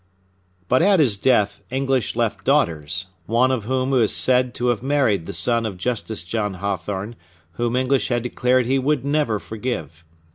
But at his death English left daughters, one of whom is said to have married the son of Justice John Hathorne, whom English had declared he would never forgive.